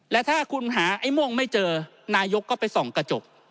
และถ้าคุณหาไอ้ม่วงไม่เจอนายกก็ไปส่องกระจก